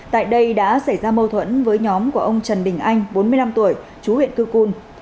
tại đây đã xảy ra mâu thuẫn với nhóm của ông trần đình anh bốn mươi năm tuổi chú huyện cư cun